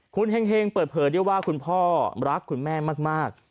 คุณเฮงเปิดเผยด้วยว่าคุณพ่อรักคุณแม่มาก